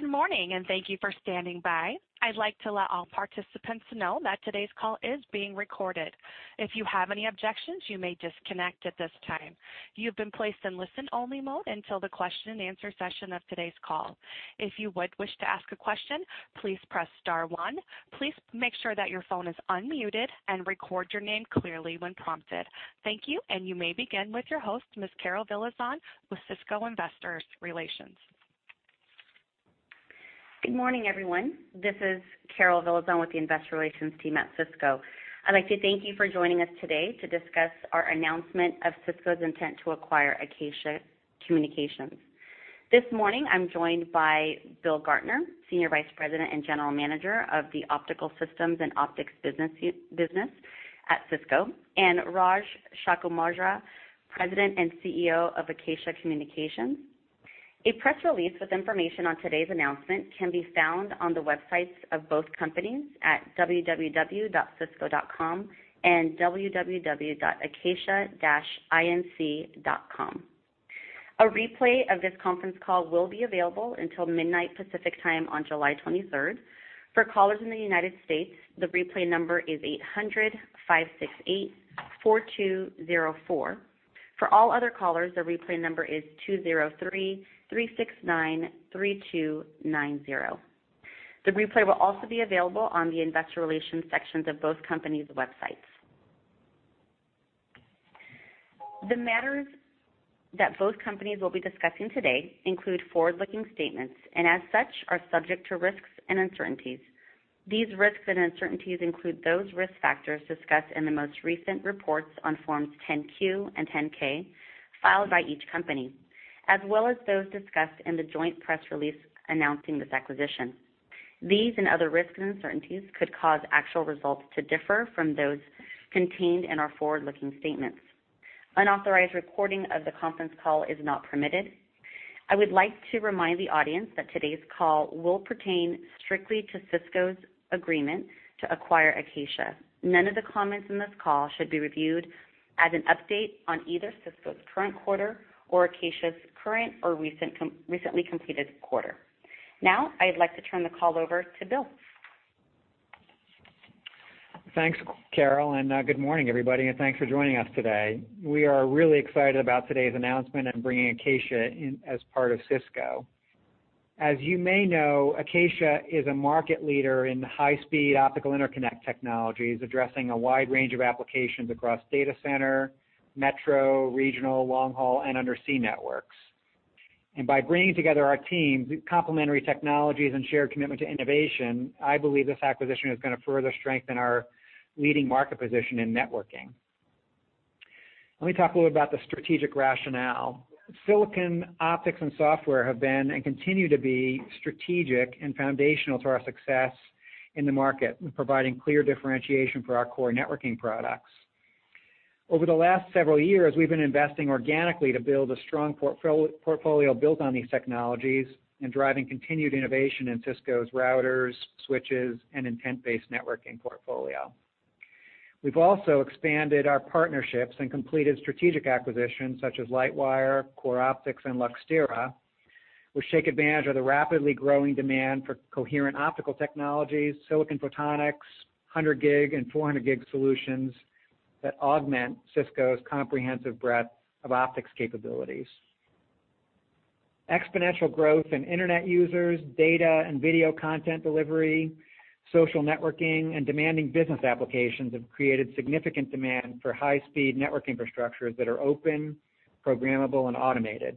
Good morning, thank you for standing by. I'd like to let all participants know that today's call is being recorded. If you have any objections, you may disconnect at this time. You've been placed in listen-only mode until the question and answer session of today's call. If you would wish to ask a question, please press star one. Please make sure that your phone is unmuted and record your name clearly when prompted. Thank you. You may begin with your host, Ms. Carol Villazon, with Cisco Investor Relations. Good morning, everyone. This is Carol Villazon with the investor relations team at Cisco. I'd like to thank you for joining us today to discuss our announcement of Cisco's intent to acquire Acacia Communications. This morning, I'm joined by Bill Gartner, Senior Vice President and General Manager of the Optical Systems and Optics business at Cisco, and Raj Shanmugaraj, President and CEO of Acacia Communications. A press release with information on today's announcement can be found on the websites of both companies at www.cisco.com and www.acacia-inc.com. A replay of this conference call will be available until midnight Pacific Time on July 23rd. For callers in the U.S., the replay number is 800-568-4204. For all other callers, the replay number is 203-369-3290. The replay will also be available on the investor relations sections of both companies' websites. The matters that both companies will be discussing today include forward-looking statements, and as such, are subject to risks and uncertainties. These risks and uncertainties include those risk factors discussed in the most recent reports on forms 10-Q and 10-K filed by each company, as well as those discussed in the joint press release announcing this acquisition. These and other risks and uncertainties could cause actual results to differ from those contained in our forward-looking statements. Unauthorized recording of the conference call is not permitted. I would like to remind the audience that today's call will pertain strictly to Cisco's agreement to acquire Acacia. None of the comments in this call should be viewed as an update on either Cisco's current quarter or Acacia's current or recently completed quarter. I'd like to turn the call over to Bill. Thanks, Carol. Good morning, everybody, thanks for joining us today. We are really excited about today's announcement and bringing Acacia in as part of Cisco. As you may know, Acacia is a market leader in high-speed optical interconnect technologies, addressing a wide range of applications across data center, metro, regional, long-haul, and undersea networks. By bringing together our teams, complementary technologies, and shared commitment to innovation, I believe this acquisition is going to further strengthen our leading market position in networking. Let me talk a little about the strategic rationale. Silicon optics and software have been and continue to be strategic and foundational to our success in the market, providing clear differentiation for our core networking products. Over the last several years, we've been investing organically to build a strong portfolio built on these technologies and driving continued innovation in Cisco's routers, switches, and intent-based networking portfolio. We've also expanded our partnerships and completed strategic acquisitions such as Lightwire, CoreOptics, and Luxtera, which take advantage of the rapidly growing demand for coherent optical technologies, silicon photonics, 100G and 400G solutions that augment Cisco's comprehensive breadth of optics capabilities. Exponential growth in internet users, data and video content delivery, social networking, and demanding business applications have created significant demand for high-speed network infrastructures that are open, programmable, and automated.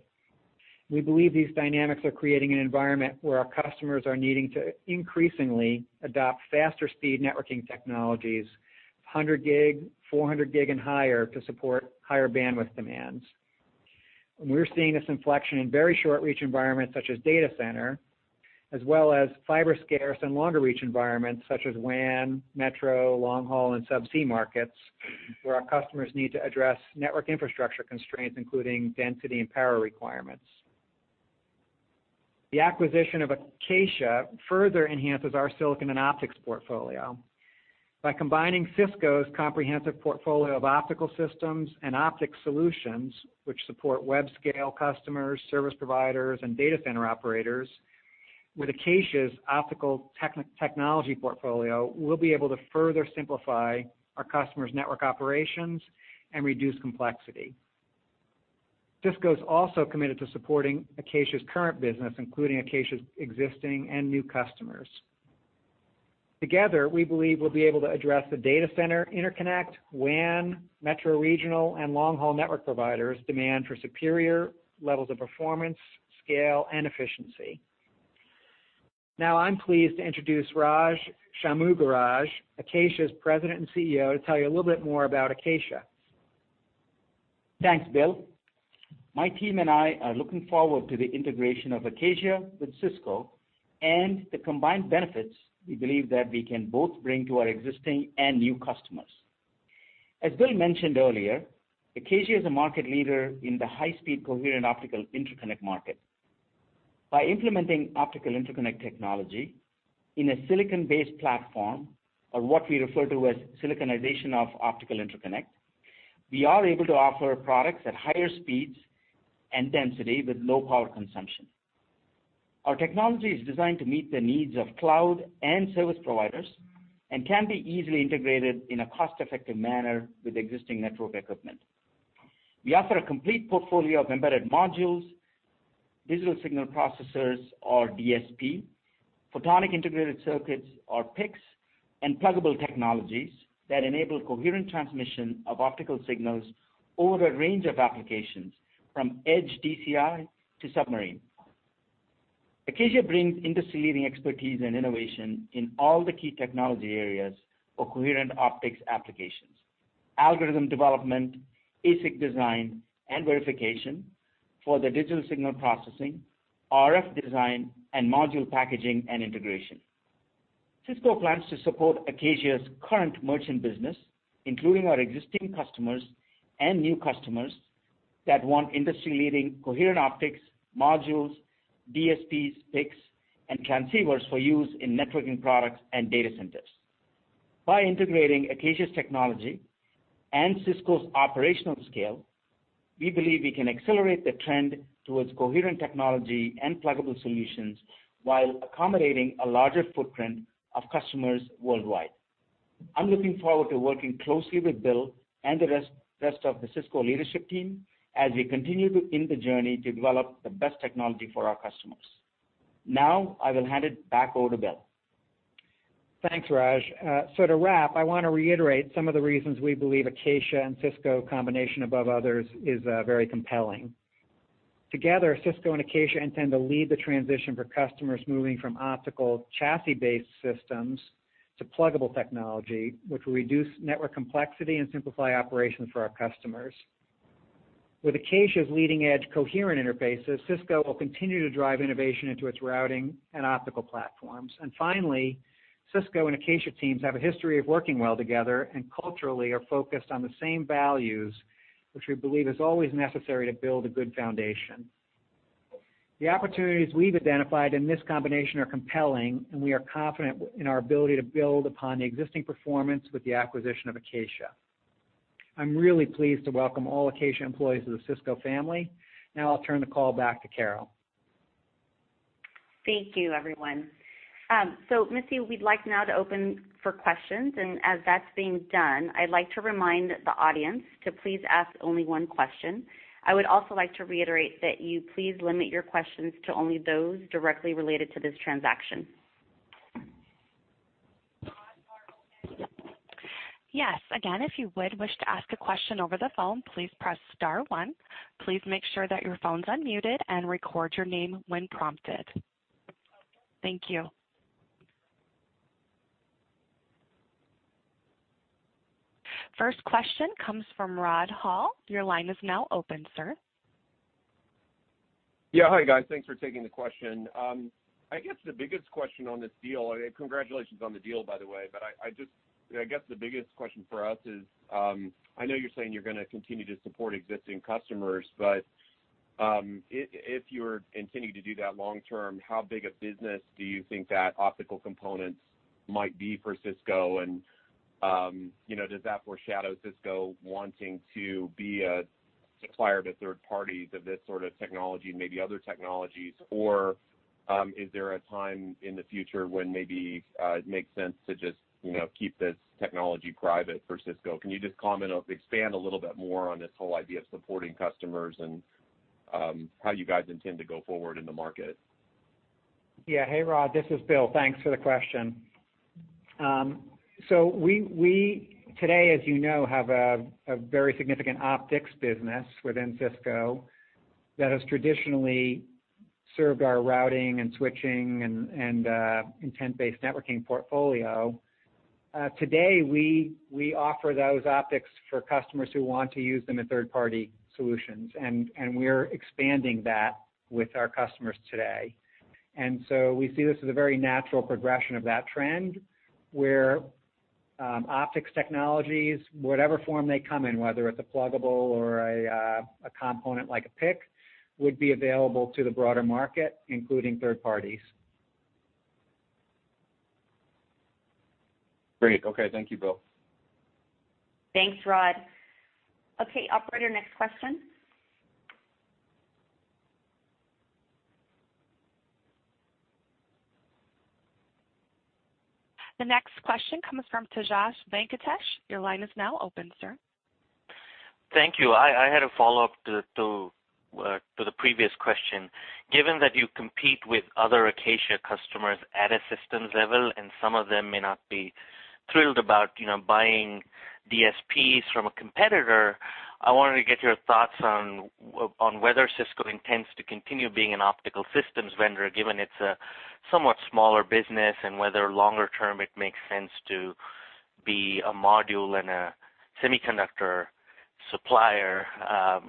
We believe these dynamics are creating an environment where our customers are needing to increasingly adopt faster speed networking technologies, 100G, 400G and higher to support higher bandwidth demands. We're seeing this inflection in very short-reach environments such as data center, as well as fiber-scarce and longer-reach environments such as WAN, metro, long-haul, and subsea markets, where our customers need to address network infrastructure constraints, including density and power requirements. The acquisition of Acacia further enhances our silicon and optics portfolio. By combining Cisco's comprehensive portfolio of optical systems and optics solutions, which support web scale customers, service providers, and data center operators with Acacia's optical technology portfolio, we'll be able to further simplify our customers' network operations and reduce complexity. Cisco's also committed to supporting Acacia's current business, including Acacia's existing and new customers. Together, we believe we'll be able to address the data center, interconnect, WAN, metro, regional, and long-haul network providers' demand for superior levels of performance, scale, and efficiency. I'm pleased to introduce Raj Shanmugaraj, Acacia's president and CEO, to tell you a little bit more about Acacia. Thanks, Bill. My team and I are looking forward to the integration of Acacia with Cisco and the combined benefits we believe that we can both bring to our existing and new customers. As Bill mentioned earlier, Acacia is a market leader in the high-speed coherent optical interconnect market. By implementing optical interconnect technology in a silicon-based platform, or what we refer to as siliconization of optical interconnect. We are able to offer products at higher speeds and density with low power consumption. Our technology is designed to meet the needs of cloud and service providers and can be easily integrated in a cost-effective manner with existing network equipment. We offer a complete portfolio of embedded modules, digital signal processors or DSP, photonic integrated circuits or PICs, and pluggable technologies that enable coherent transmission of optical signals over a range of applications, from edge DCI to submarine. Acacia brings industry-leading expertise and innovation in all the key technology areas of coherent optics applications, algorithm development, ASIC design, and verification for the digital signal processing, RF design, and module packaging and integration. Cisco plans to support Acacia's current merchant business, including our existing customers and new customers that want industry-leading coherent optics modules, DSPs, PICs, and transceivers for use in networking products and data centers. By integrating Acacia's technology and Cisco's operational scale, we believe we can accelerate the trend towards coherent technology and pluggable solutions while accommodating a larger footprint of customers worldwide. I'm looking forward to working closely with Bill and the rest of the Cisco leadership team as we continue in the journey to develop the best technology for our customers. I will hand it back over to Bill. Thanks, Raj. To wrap, I want to reiterate some of the reasons we believe Acacia and Cisco combination above others is very compelling. Together, Cisco and Acacia intend to lead the transition for customers moving from optical chassis-based systems to pluggable technology, which will reduce network complexity and simplify operations for our customers. With Acacia's leading-edge coherent interfaces, Cisco will continue to drive innovation into its routing and optical platforms. Finally, Cisco and Acacia teams have a history of working well together and culturally are focused on the same values, which we believe is always necessary to build a good foundation. The opportunities we've identified in this combination are compelling, and we are confident in our ability to build upon the existing performance with the acquisition of Acacia. I'm really pleased to welcome all Acacia employees to the Cisco family. Now I'll turn the call back to Carol. Thank you, everyone. Missy, we'd like now to open for questions, as that's being done, I'd like to remind the audience to please ask only one question. I would also like to reiterate that you please limit your questions to only those directly related to this transaction. Yes. Again, if you would wish to ask a question over the phone, please press star one. Please make sure that your phone's unmuted, record your name when prompted. Thank you. First question comes from Rod Hall. Your line is now open, sir. Yeah. Hi, guys. Thanks for taking the question. Congratulations on the deal, by the way. I guess the biggest question for us is, I know you're saying you're going to continue to support existing customers, if you're continuing to do that long term, how big a business do you think that optical components might be for Cisco? Does that foreshadow Cisco wanting to be a supplier to third parties of this sort of technology and maybe other technologies? Is there a time in the future when maybe it makes sense to just keep this technology private for Cisco? Can you just comment or expand a little bit more on this whole idea of supporting customers and how you guys intend to go forward in the market? We today, as you know, have a very significant optics business within Cisco that has traditionally served our routing and switching and intent-based networking portfolio. Today, we offer those optics for customers who want to use them as third-party solutions, and we're expanding that with our customers today. We see this as a very natural progression of that trend, where optics technologies, whatever form they come in, whether it's a pluggable or a component like a PIC, would be available to the broader market, including third parties. Great. Okay. Thank you, Bill. Thanks, Rod. Okay, operator, next question. The next question comes from Tejash Venkatesh. Your line is now open, sir. Thank you. I had a follow-up to the previous question. Given that you compete with other Acacia customers at a systems level, and some of them may not be thrilled about buying DSPs from a competitor, I wanted to get your thoughts on whether Cisco intends to continue being an optical systems vendor, given it's a somewhat smaller business, and whether longer term it makes sense to be a module and a semiconductor supplier.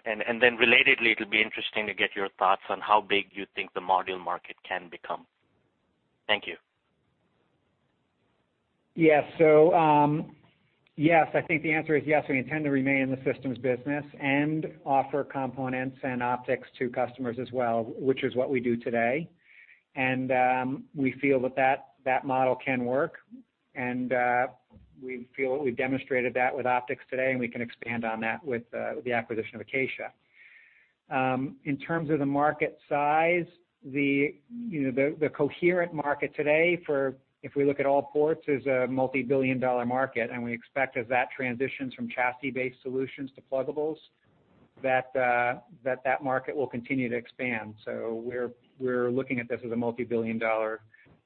Relatedly, it'll be interesting to get your thoughts on how big you think the module market can become. Thank you. Yes. I think the answer is yes. We intend to remain in the systems business and offer components and optics to customers as well, which is what we do today. We feel that model can work, and we feel we've demonstrated that with optics today, and we can expand on that with the acquisition of Acacia. In terms of the market size, the coherent market today, if we look at all ports, is a multibillion-dollar market, and we expect as that transitions from chassis-based solutions to pluggables, that market will continue to expand. We're looking at this as a multibillion-dollar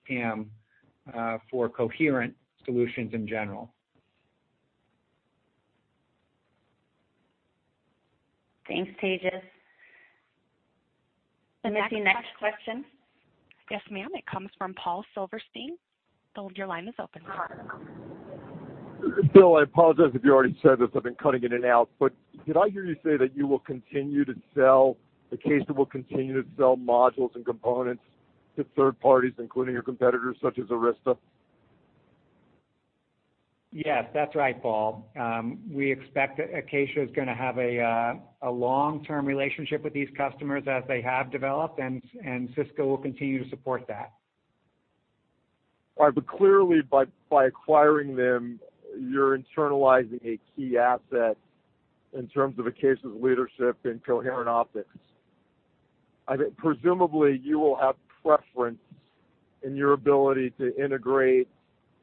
TAM for coherent solutions in general. Thanks, Tejash. The next question? Yes, ma'am. It comes from Paul Silverstein. Your line is open, sir. Bill, I apologize if you already said this. I've been cutting in and out, did I hear you say that Acacia will continue to sell modules and components to third parties, including your competitors, such as Arista? Yes, that's right, Paul. We expect that Acacia is going to have a long-term relationship with these customers as they have developed, and Cisco will continue to support that. All right. Clearly by acquiring them, you're internalizing a key asset in terms of Acacia's leadership in coherent optics. Presumably, you will have preference in your ability to integrate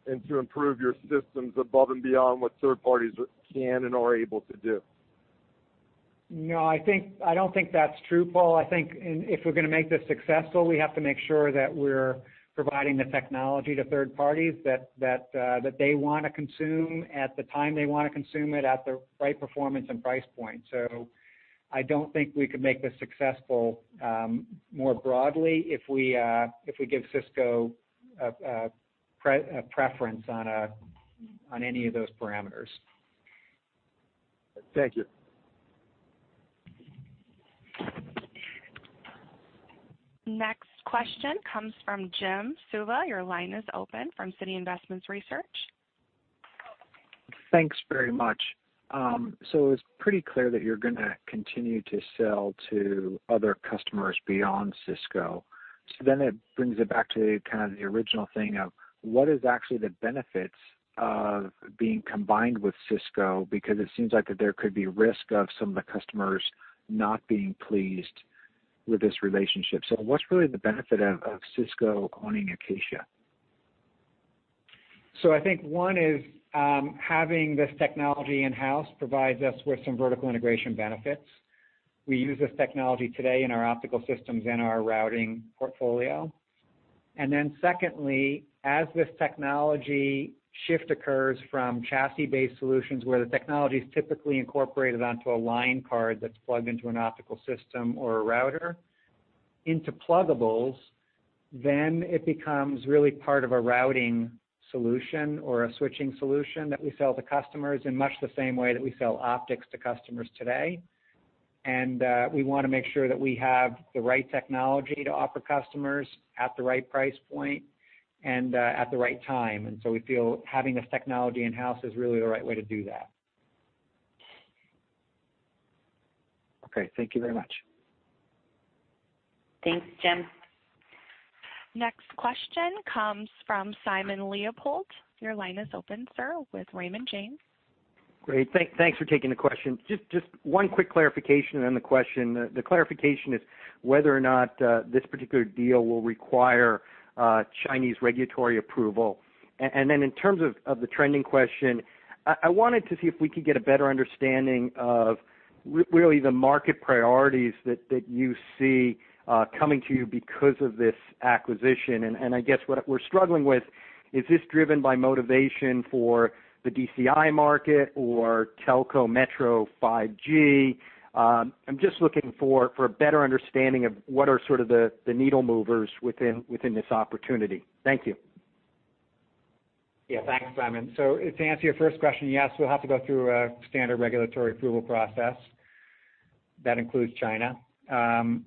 and to improve your systems above and beyond what third parties can and are able to do. No, I don't think that's true, Paul. I think if we're going to make this successful, we have to make sure that we're providing the technology to third parties that they want to consume at the time they want to consume it at the right performance and price point. I don't think we could make this successful more broadly if we give Cisco a preference on any of those parameters. Thank you. Next question comes from Jim Suva. Your line is open from Citi Investment Research. Thanks very much. It's pretty clear that you're going to continue to sell to other customers beyond Cisco. It brings it back to the original thing of what is actually the benefits of being combined with Cisco, because it seems like that there could be risk of some of the customers not being pleased with this relationship. What's really the benefit of Cisco owning Acacia? I think one is having this technology in-house provides us with some vertical integration benefits. We use this technology today in our optical systems and our routing portfolio. Secondly, as this technology shift occurs from chassis-based solutions where the technology's typically incorporated onto a line card that's plugged into an optical system or a router into pluggables, then it becomes really part of a routing solution or a switching solution that we sell to customers in much the same way that we sell optics to customers today. We want to make sure that we have the right technology to offer customers at the right price point and at the right time. We feel having this technology in-house is really the right way to do that. Okay. Thank you very much. Thanks, Jim. Next question comes from Simon Leopold. Your line is open, sir, with Raymond James. Great. Thanks for taking the question. Just one quick clarification, then the question. The clarification is whether or not this particular deal will require Chinese regulatory approval. In terms of the trending question, I wanted to see if we could get a better understanding of really the market priorities that you see coming to you because of this acquisition. I guess what we're struggling with, is this driven by motivation for the DCI market or telco metro 5G? I'm just looking for a better understanding of what are sort of the needle movers within this opportunity. Thank you. Yeah. Thanks, Simon. To answer your first question, yes, we'll have to go through a standard regulatory approval process that includes China. To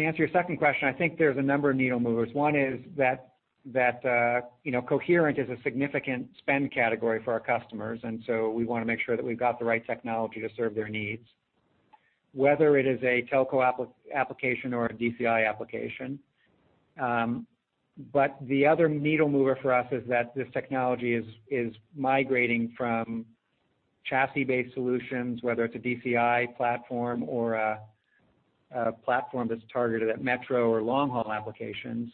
answer your second question, I think there's a number of needle movers. One is that Coherent is a significant spend category for our customers, we want to make sure that we've got the right technology to serve their needs, whether it is a telco application or a DCI application. The other needle mover for us is that this technology is migrating from chassis-based solutions, whether it's a DCI platform or a platform that's targeted at metro or multi-haul applications.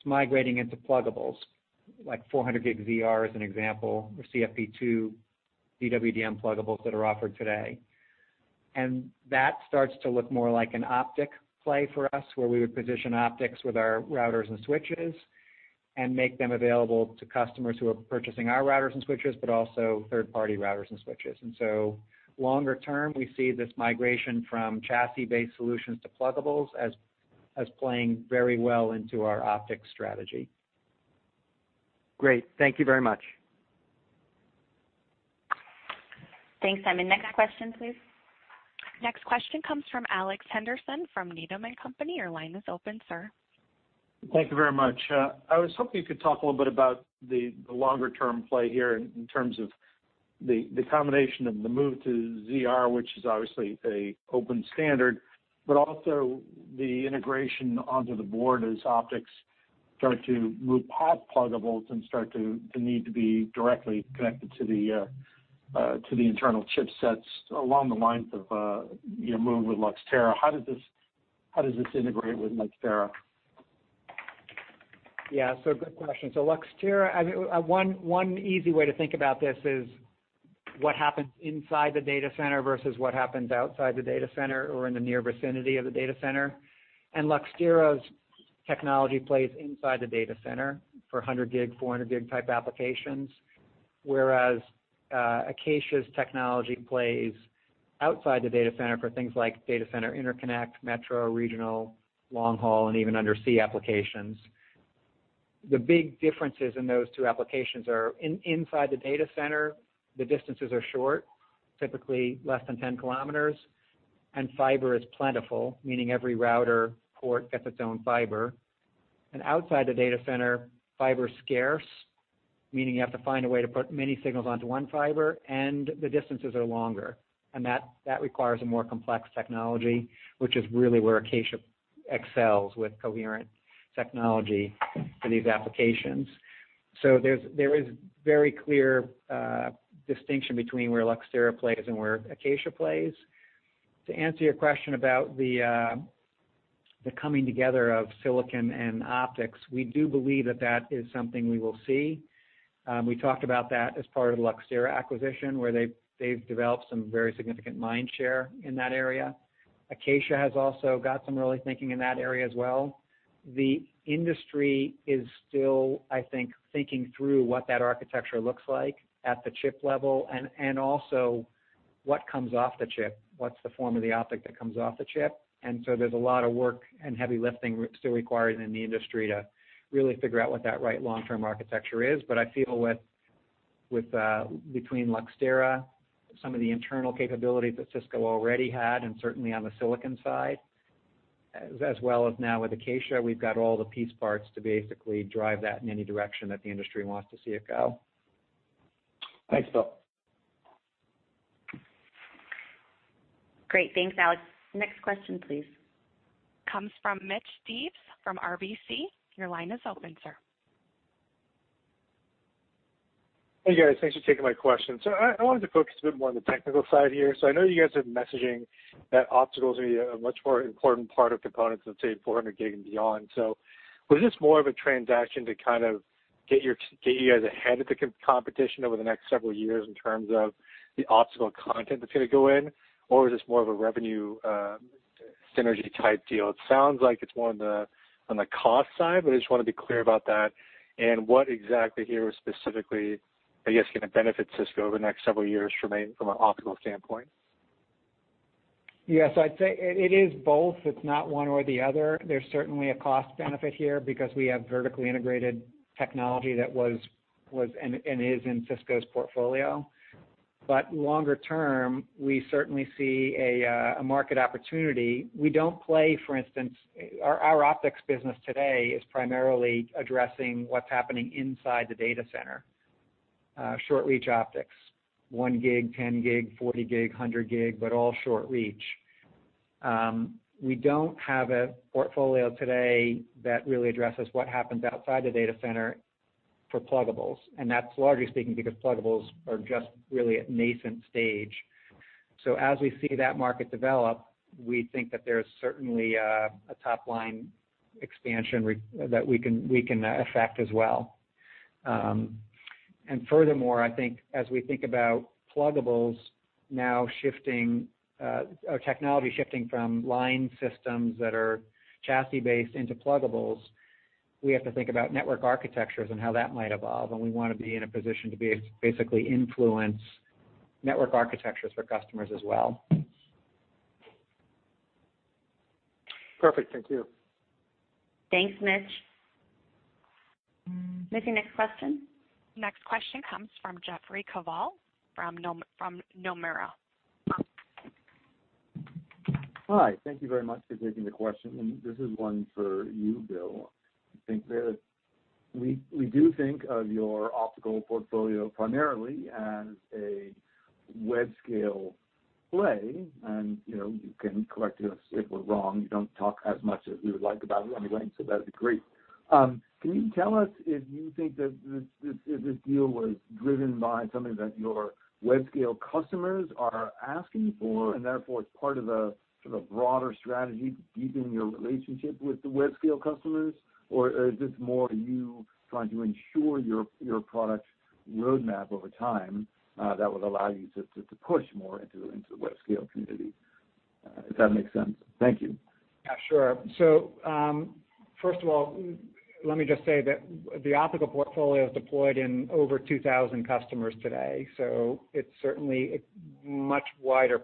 It's migrating into pluggables, like 400G ZR as an example, or CFP2, DWDM pluggables that are offered today. That starts to look more like an optic play for us, where we would position optics with our routers and switches and make them available to customers who are purchasing our routers and switches, but also third-party routers and switches. Longer term, we see this migration from chassis-based solutions to pluggables as playing very well into our optics strategy. Great. Thank you very much. Thanks, Simon. Next question, please. Next question comes from Alex Henderson from Needham & Company. Your line is open, sir. Thank you very much. I was hoping you could talk a little bit about the longer-term play here in terms of the combination of the move to ZR, which is obviously an open standard, but also the integration onto the board as optics start to move past pluggables and start to need to be directly connected to the internal chipsets along the lines of your move with Luxtera. How does this integrate with Luxtera? Yeah. Good question. Luxtera, one easy way to think about this is what happens inside the data center versus what happens outside the data center or in the near vicinity of the data center. Luxtera's technology plays inside the data center for 100G, 400G type applications, whereas Acacia's technology plays outside the data center for things like data center interconnect, metro, regional, long haul, and even undersea applications. The big differences in those two applications are inside the data center, the distances are short, typically less than 10 kilometers, and fiber is plentiful, meaning every router port gets its own fiber. Outside the data center, fiber is scarce, meaning you have to find a way to put many signals onto one fiber, and the distances are longer. That requires a more complex technology, which is really where Acacia excels with coherent technology for these applications. There is very clear distinction between where Luxtera plays and where Acacia plays. To answer your question about the coming together of silicon and optics, we do believe that that is something we will see. We talked about that as part of the Luxtera acquisition, where they've developed some very significant mind share in that area. Acacia has also got some really thinking in that area as well. The industry is still, I think, thinking through what that architecture looks like at the chip level and also what comes off the chip, what's the form of the optic that comes off the chip. There's a lot of work and heavy lifting still required in the industry to really figure out what that right long-term architecture is. I feel between Luxtera, some of the internal capabilities that Cisco already had, and certainly on the silicon side, as well as now with Acacia, we've got all the piece parts to basically drive that in any direction that the industry wants to see it go. Thanks, Bill. Great. Thanks, Alex. Next question, please. Comes from Mitch Steves from RBC. Your line is open, sir. Hey, guys. Thanks for taking my question. I wanted to focus a bit more on the technical side here. I know you guys are messaging that opticals are going to be a much more important part of components of, say, 400G and beyond. Was this more of a transaction to get you guys ahead of the competition over the next several years in terms of the optical content that's going to go in? Or is this more of a revenue synergy type deal? It sounds like it's more on the cost side, but I just want to be clear about that. What exactly here specifically, I guess, can benefit Cisco over the next several years from an optical standpoint? Yes, I'd say it is both. It's not one or the other. There's certainly a cost benefit here because we have vertically integrated technology that was and is in Cisco's portfolio. Longer term, we certainly see a market opportunity. We don't play, for instance. Our optics business today is primarily addressing what's happening inside the data center. Short reach optics, 1G, 10G, 40G, 100G, but all short reach. We don't have a portfolio today that really addresses what happens outside the data center for pluggables. That's largely speaking because pluggables are just really at nascent stage. As we see that market develop, we think that there's certainly a top-line expansion that we can effect as well. Furthermore, I think as we think about technology shifting from line systems that are chassis-based into pluggables, we have to think about network architectures and how that might evolve. We want to be in a position to basically influence network architectures for customers as well. Perfect. Thank you. Thanks, Mitch. Mitch, your next question. Next question comes from Jeffrey Kvaal from Nomura. Hi. Thank you very much for taking the question. This is one for you, Bill. We do think of your optical portfolio primarily as a web scale play, you can correct us if we're wrong. You don't talk as much as we would like about it anyway, that would be great. Can you tell us if you think that this deal was driven by something that your web scale customers are asking for and therefore it's part of the broader strategy to deepen your relationship with the web scale customers? Or is this more you trying to ensure your product roadmap over time that would allow you to push more into the web scale community? If that makes sense. Thank you. Sure. First of all, let me just say that the optical portfolio is deployed in over 2,000 customers today. It's certainly a much wider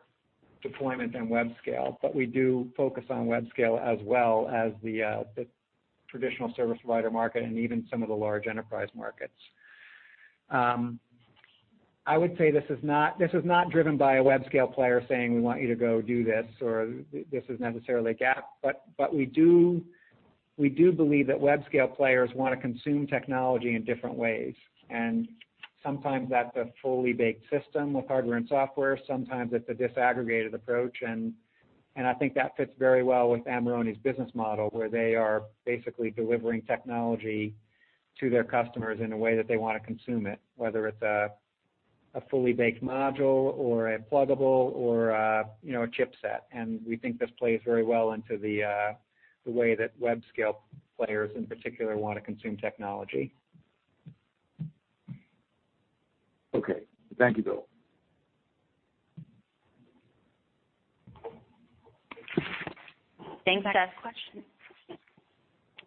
deployment than web scale, we do focus on web scale as well as the traditional service provider market and even some of the large enterprise markets. I would say this is not driven by a web scale player saying, "We want you to go do this," or this is necessarily a gap, we do believe that web scale players want to consume technology in different ways. Sometimes that's a fully baked system with hardware and software, sometimes it's a disaggregated approach, and I think that fits very well with Acacia's business model, where they are basically delivering technology to their customers in a way that they want to consume it, whether it's a fully baked module or a pluggable or a chipset. We think this plays very well into the way that web scale players in particular want to consume technology. Okay. Thank you, Bill. Thanks, Guys. Next question.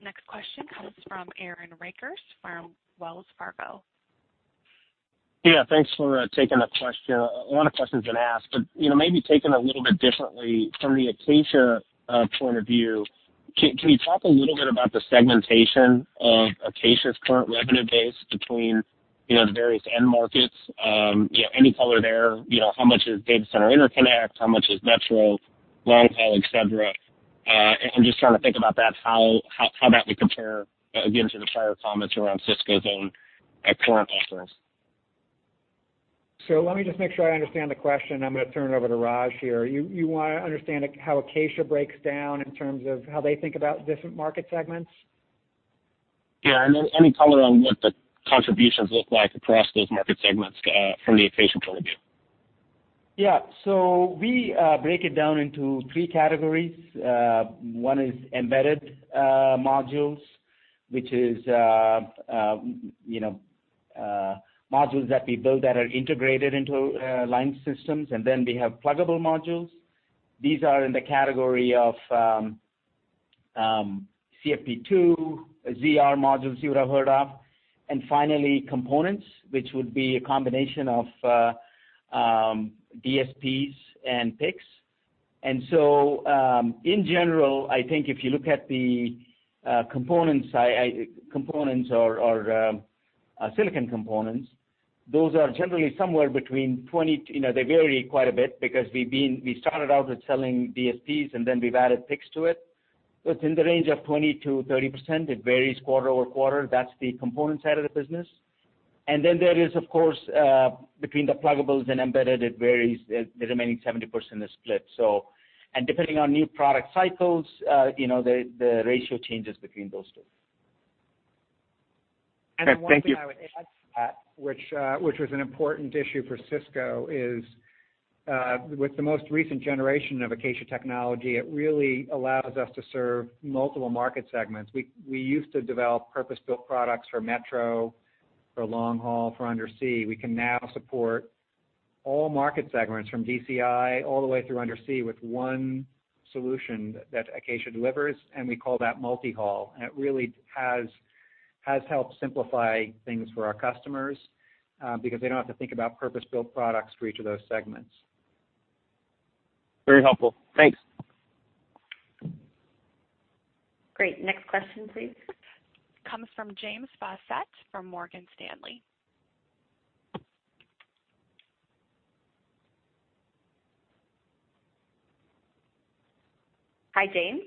Next question comes from Aaron Rakers from Wells Fargo. Yeah, thanks for taking the question. A lot of questions been asked, but taking it a little bit differently from the Acacia point of view, can you talk a little bit about the segmentation of Acacia's current revenue base between the various end markets? Any color there, how much is data center interconnect, how much is metro, long-haul, et cetera. I'm just trying to think about that, how that would compare again to the prior comments around Cisco's own current offerings. Let me just make sure I understand the question, I'm going to turn it over to Raj here. You want to understand how Acacia breaks down in terms of how they think about different market segments? Yeah. Any color on what the contributions look like across those market segments from the Acacia point of view. Yeah. We break it down into 3 categories. One is embedded modules, which is modules that we build that are integrated into line systems. We have pluggable modules. These are in the category of CFP2, ZR modules you would have heard of. Finally, components, which would be a combination of DSPs and PICs. In general, I think if you look at the components or silicon components, those are generally somewhere between they vary quite a bit because we started out with selling DSPs and then we've added PICs to it. It's in the range of 20%-30%. It varies quarter-over-quarter. That's the component side of the business. There is, of course, between the pluggables and embedded, it varies. The remaining 70% is split. Depending on new product cycles, the ratio changes between those two. Thank you. One thing I would add to that, which was an important issue for Cisco is, with the most recent generation of Acacia technology, it really allows us to serve multiple market segments. We used to develop purpose-built products for metro, for long haul, for undersea. We can now support all market segments from DCI all the way through undersea with one solution that Acacia delivers, and we call that multi-haul. It really has helped simplify things for our customers, because they don't have to think about purpose-built products for each of those segments. Very helpful. Thanks. Great. Next question, please. Comes from James Faucette from Morgan Stanley. Hi, James.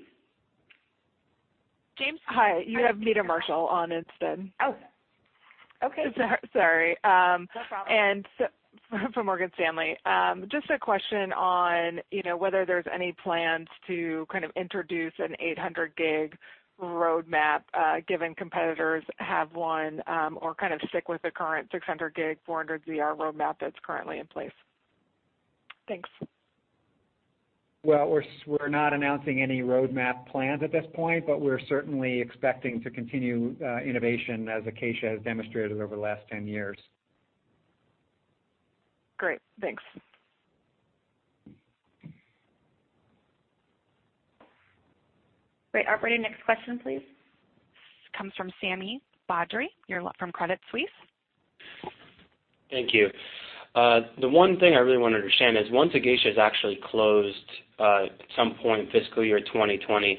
James- Hi. You have me to Marshall on instead. Oh. Okay. Sorry. No problem. From Morgan Stanley. Just a question on whether there's any plans to introduce an 800G roadmap, given competitors have one, or stick with the current 600G, 400ZR roadmap that's currently in place. Thanks. Well, we're not announcing any roadmap plans at this point, but we're certainly expecting to continue innovation as Acacia has demonstrated over the last 10 years. Great, thanks. Great. Operator, next question, please. Comes from Sami Badri from Credit Suisse. Thank you. The one thing I really want to understand is once Acacia is actually closed at some point fiscal year 2020,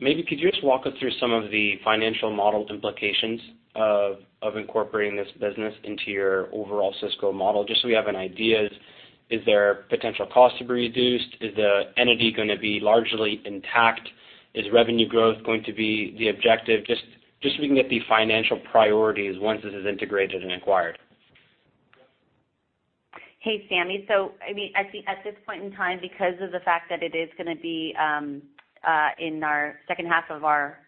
maybe could you just walk us through some of the financial model implications of incorporating this business into your overall Cisco model, just so we have an idea. Is there potential cost to be reduced? Is the entity going to be largely intact? Is revenue growth going to be the objective? Just so we can get the financial priorities once this is integrated and acquired. Hey, Sami. I think at this point in time, because of the fact that it is going to be in our second half of our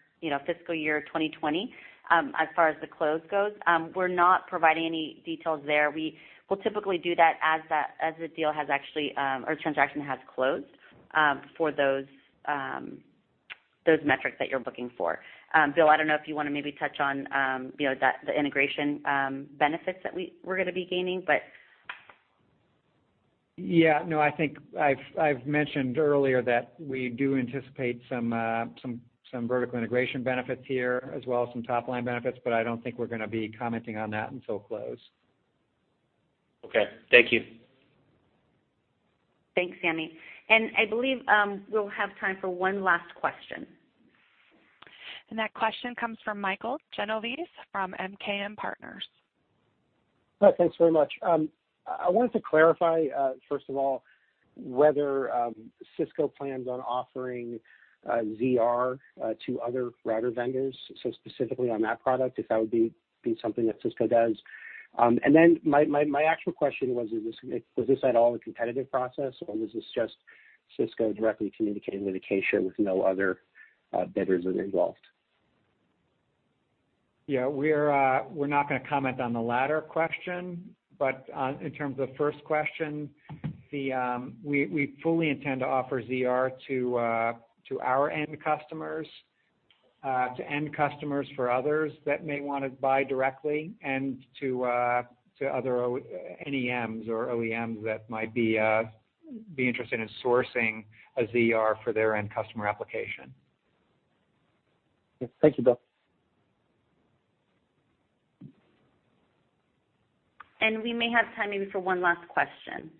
fiscal year 2020, as far as the close goes, we're not providing any details there. We'll typically do that as the deal has actually, or transaction has closed for those metrics that you're looking for. Bill, I don't know if you want to maybe touch on the integration benefits that we're going to be gaining. Yeah, no, I think I've mentioned earlier that we do anticipate some vertical integration benefits here as well as some top-line benefits, but I don't think we're going to be commenting on that until close. Okay. Thank you. Thanks, Sami. I believe we'll have time for one last question. That question comes from Michael Genovese from MKM Partners. Hi. Thanks very much. I wanted to clarify, first of all, whether Cisco plans on offering ZR to other router vendors, specifically on that product, if that would be something that Cisco does. My actual question was this at all a competitive process, or was this just Cisco directly communicating with Acacia with no other bidders involved? Yeah, we're not going to comment on the latter question. In terms of first question, we fully intend to offer ZR to our end customers, to end customers for others that may want to buy directly and to other NEMs or OEMs that might be interested in sourcing a ZR for their end customer application. Thank you, Bill. We may have time maybe for one last question.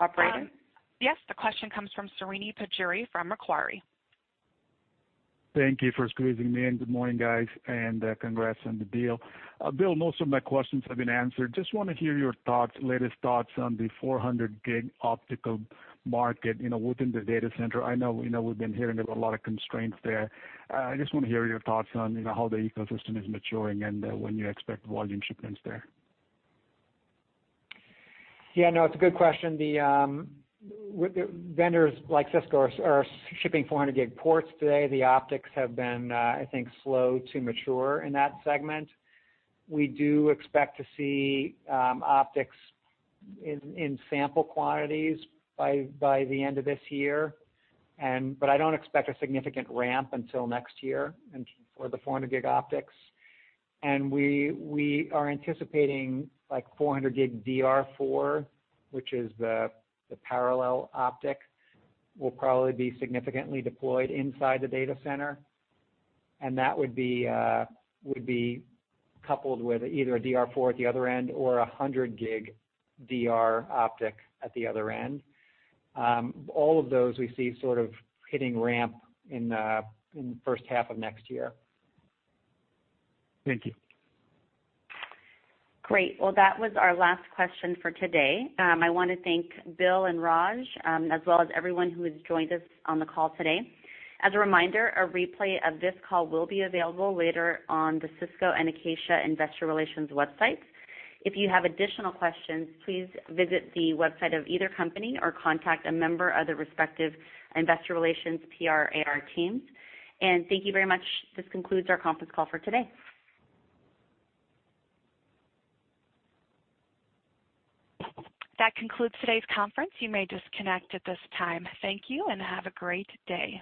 Operator? Yes. The question comes from Srini Pajjuri from Macquarie. Thank you for squeezing me in. Good morning, guys, and congrats on the deal. Bill, most of my questions have been answered. Just want to hear your latest thoughts on the 400G optical market within the data center. I know we've been hearing of a lot of constraints there. I just want to hear your thoughts on how the ecosystem is maturing and when you expect volume shipments there. Yeah, no, it's a good question. The vendors like Cisco are shipping 400G ports today. The optics have been, I think, slow to mature in that segment. We do expect to see optics in sample quantities by the end of this year. I don't expect a significant ramp until next year for the 400G optics. We are anticipating 400G DR4, which is the parallel optic, will probably be significantly deployed inside the data center, and that would be coupled with either a DR4 at the other end or 100G DR optic at the other end. All of those we see sort of hitting ramp in the first half of next year. Thank you. Great. Well, that was our last question for today. I want to thank Bill and Raj, as well as everyone who has joined us on the call today. As a reminder, a replay of this call will be available later on the Cisco and Acacia investor relations websites. If you have additional questions, please visit the website of either company or contact a member of the respective investor relations PR AR teams. Thank you very much. This concludes our conference call for today. That concludes today's conference. You may disconnect at this time. Thank you, and have a great day.